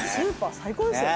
最高ですよ。